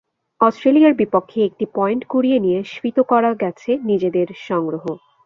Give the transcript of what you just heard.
অস্ট্রেলিয়ার বিপক্ষে একটি পয়েন্ট কুড়িয়ে নিয়ে স্ফীত করা গেছে নিজেদের সংগ্রহ।